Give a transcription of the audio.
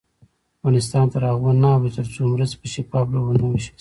افغانستان تر هغو نه ابادیږي، ترڅو مرستې په شفاف ډول ونه ویشل شي.